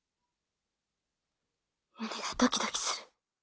胸がドキドキする。